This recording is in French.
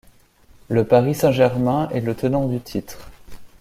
Le Paris Saint-Germain est le tenant du titre.